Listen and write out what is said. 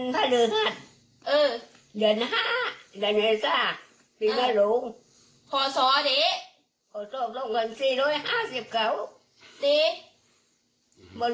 พอสอบลงกัน๔๕๐เก่านี้